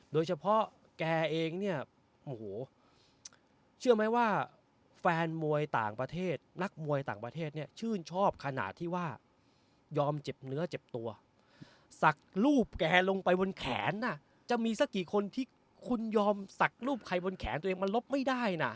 โดยเฉพาะแกเองเนี่ยโอ้โหเชื่อไหมว่าแฟนมวยต่างประเทศนักมวยต่างประเทศเนี่ยชื่นชอบขนาดที่ว่ายอมเจ็บเนื้อเจ็บตัวสักรูปแกลงไปบนแขนจะมีสักกี่คนที่คุณยอมสักรูปใครบนแขนตัวเองมันลบไม่ได้นะ